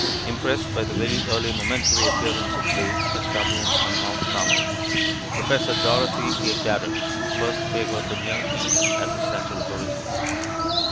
Impressed by the very early momentary appearance of blades at Tabun on Mount Carmel, Professor Dorothy A. Garrod first favored the Near East as a center of origin.